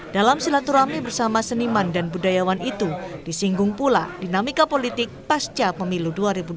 dalam silaturahmi bersama seniman dan budayawan itu disinggung pula dinamika politik pasca pemilu dua ribu dua puluh